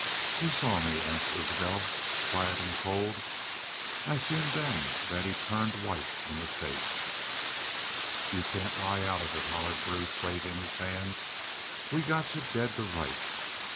"'Who saw me?' asked Isbel, quiet an' cold. I seen then thet he'd turned white in the face. "'Yu cain't lie out of it,' hollered Bruce, wavin' his hands. 'We got y'u daid to rights.